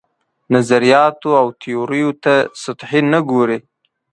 نظریاتو او تیوریو ته سطحي نه ګوري.